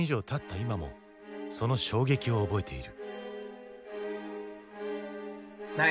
今もその衝撃を覚えている。